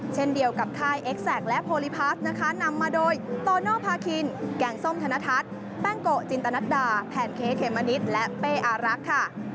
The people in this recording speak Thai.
เช่นเดียวกับค่ายเอ็กแซคและโพลิพาสนะคะนำมาโดยโตโนภาคินแกงส้มธนทัศน์แป้งโกะจินตนัดดาแพนเค้เขมมะนิดและเป้อารักษ์ค่ะ